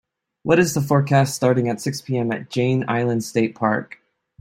what is the forecast starting at six pm at Janes Island State Park